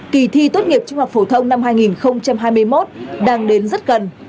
kỳ thi tốt nghiệp trung học phổ thông năm hai nghìn hai mươi một đang đến rất gần